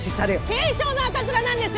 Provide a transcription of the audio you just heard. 軽症の赤面なんです！